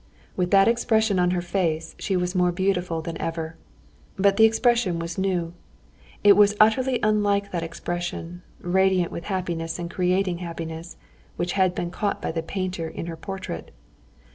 With that expression on her face she was more beautiful than ever; but the expression was new; it was utterly unlike that expression, radiant with happiness and creating happiness, which had been caught by the painter in her portrait.